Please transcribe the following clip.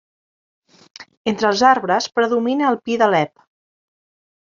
Entre els arbres predomina el pi d'Alep.